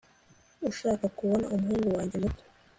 ushaka kubona umuhungu wanjye muto